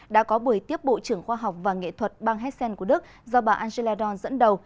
đã có buổi tiếp bộ trưởng khoa học và nghệ thuật bang hessen của đức do bà angela dorn dẫn đầu